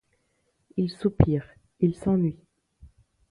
Il soupire, il s’ennuie.